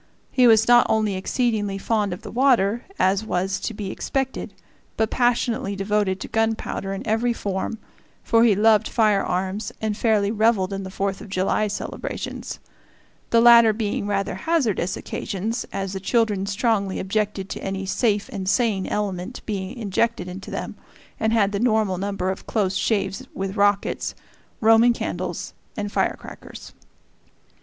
He was not only exceedingly fond of the water, as was to be expected, but passionately devoted to gunpowder in every form, for he loved firearms and fairly reveled in the Fourth of July celebrations the latter being rather hazardous occasions, as the children strongly objected to any "safe and sane" element being injected into them, and had the normal number of close shaves with rockets, Roman candles, and firecrackers.